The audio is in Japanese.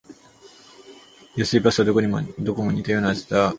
安いパスタはどこも似たような味だ